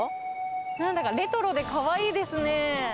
なんだかレトロでかわいいですね。